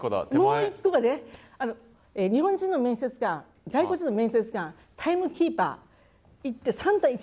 もう一個がね日本人の面接官外国人の面接官タイムキーパー３対１で。